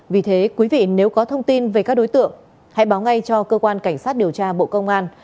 vì thế quý vị nếu có thông tin về các đối tượng hãy báo ngay cho cơ quan cảnh sát điều tra bộ công an